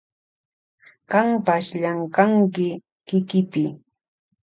Kanpash llankanki kikipi.